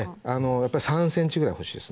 やっぱり３ｃｍぐらいほしいですね。